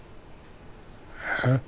えっ？